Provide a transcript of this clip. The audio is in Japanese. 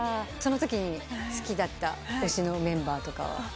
そのときに好きだった推しのメンバーとかは？